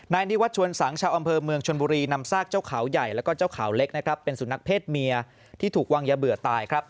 นายนิวัชวรสังชาวอำเภอเมืองชนบุรีนำซากเจ้าขาวใหญ่และเจ้าขาวเล็กเป็นสุนัขเพศเมียที่ถูกวางเยาะมีตาย